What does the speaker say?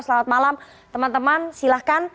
selamat malam teman teman silahkan